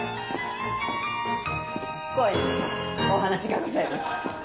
高円寺お話がございます